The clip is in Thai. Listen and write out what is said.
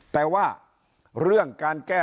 แต่ว่าเรื่องการแก้